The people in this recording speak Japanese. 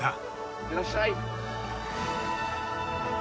いってらっしゃい。